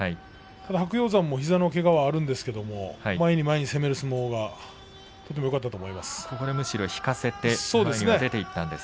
ただ白鷹山も膝のけがはあるんですけど前に前に攻める相撲がとてもよかったと思います。